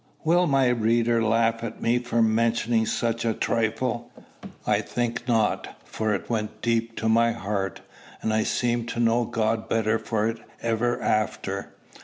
Will my reader laugh at me for mentioning such a trifle? I think not, for it went deep to my heart, and I seemed to know God better for it ever after.